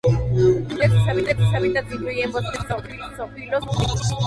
Normalmente, sus hábitats incluyen bosques caducifolios o mixtos.